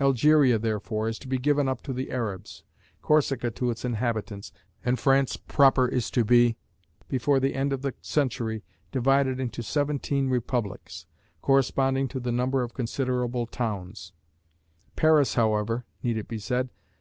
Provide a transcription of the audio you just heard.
Algeria, therefore, is to be given up to the Arabs, Corsica to its inhabitants, and France proper is to be, before the end of the century, divided into seventeen republics, corresponding to the number of considerable towns: Paris, however, (need it be said?)